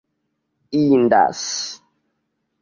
indas